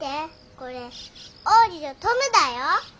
これ王子とトムだよ。